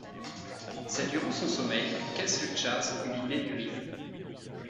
C’est durant son sommeil que Keith Richards eut l’idée du riff.